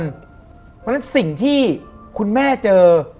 เพราะฉะนั้นสิ่งที่คุณแม่เจอ